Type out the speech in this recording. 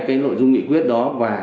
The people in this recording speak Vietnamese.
cái nội dung nghị quyết đó và